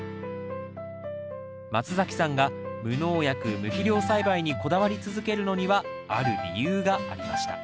松崎さんが無農薬・無肥料栽培にこだわり続けるのにはある理由がありました